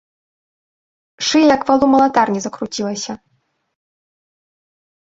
Шыя, як вал у малатарні, закруцілася.